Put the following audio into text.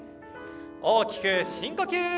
大きく深呼吸。